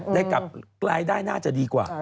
ได้กลับรายได้น่าจะดีกว่า